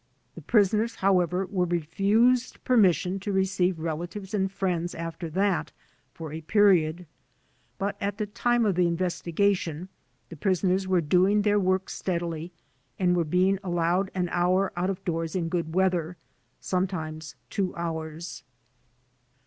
The prisoners, however, were refused permission to receive relatives and friends after that for a period, but at the time of the investigation, the prison ers were doing their work steadily and were being al lowed an hour out of doors in good weather — ^sometimes two hours.